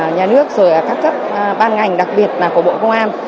nhà nước rồi các cấp ban ngành đặc biệt là của bộ công an